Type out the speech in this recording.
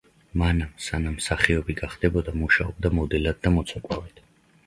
მანამ სანამ მსახიობი გახდებოდა მუშაობდა მოდელად და მოცეკვავედ.